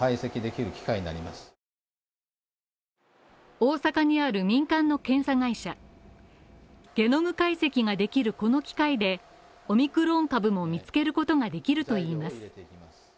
大阪にある民間の検査会社ゲノム解析ができるこの機械で、オミクロン株も見つけることができるといわれています。